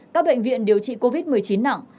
các bệnh viện điều trị covid một mươi chín nặng